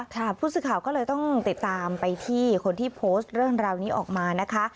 ผู้สื่อข่าวก็เลยต้องติดตามไปที่คนที่โพสต์เรื่องราวนี้ออกมานะคะ